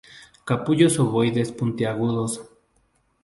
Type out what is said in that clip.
Capullos ovoides puntiagudos.